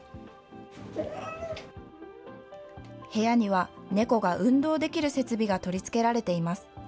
部屋には猫が運動できる設備が取り付けられています。